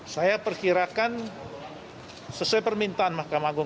saya perkirakan sesuai permintaan mahkamah agung